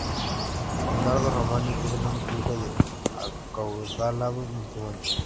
Leonardo Romaní es el único hijo de un acaudalado matrimonio.